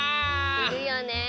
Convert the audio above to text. いるよね。